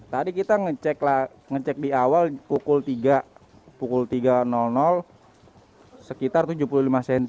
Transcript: tadi kita ngecek di awal pukul tiga pukul tiga sekitar tujuh puluh lima cm